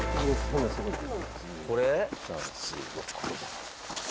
これ？